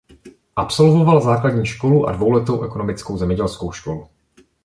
Absolvoval základní školu a dvouletou ekonomickou zemědělskou školu.